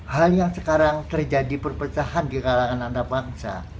hal yang sekarang terjadi perpecahan di kalangan anak bangsa